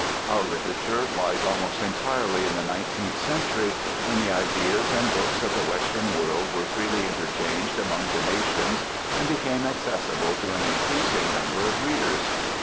Our literature lies almost entirely in the nineteenth century when the ideas and books of the western world were freely interchanged among the nations and became accessible to an increasing number of readers.